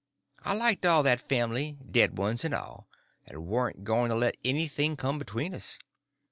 I liked all that family, dead ones and all, and warn't going to let anything come between us.